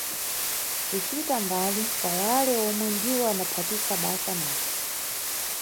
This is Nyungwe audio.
Kucita mbali kwa wale omwe ndiwo ambaphatisa basa madzi.